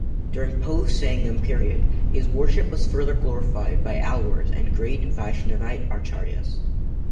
During post-Sangam period, his worship was further glorified by Alwars and great Vaishnavite acharyas.